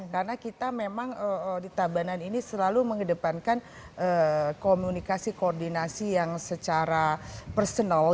karena kita memang di tabanan ini selalu mengedepankan komunikasi koordinasi yang secara personal